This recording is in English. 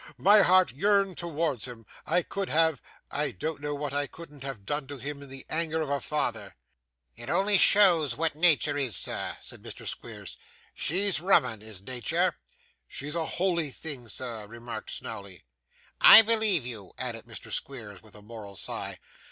My heart yearned towards him. I could have I don't know what I couldn't have done to him in the anger of a father.' 'It only shows what Natur is, sir,' said Mr. Squeers. 'She's rum 'un, is Natur.' 'She is a holy thing, sir,' remarked Snawley. 'I believe you,' added Mr. Squeers, with a moral sigh.